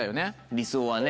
理想はね。